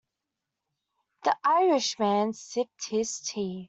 The Irish man sipped his tea.